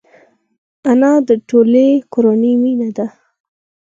انا د ټولې کورنۍ مینه ده